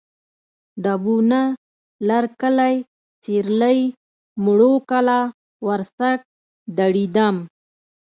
ډبونه، لرکلی، سېرۍ، موړو کلا، ورسک، دړیدم